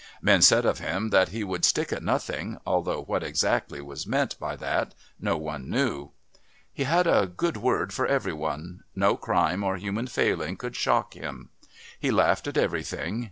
Men said of him that he would stick at nothing, although what exactly was meant by that no one knew. He had a good word for every one; no crime or human failing could shock him. He laughed at everything.